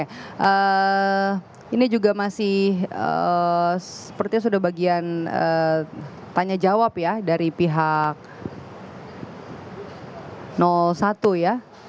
oke ini juga masih sepertinya sudah bagian tanya jawab ya dari pihak satu ya